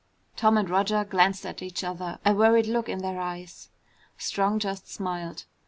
Tom and Roger glanced at each other, a worried look in their eyes. Strong just smiled.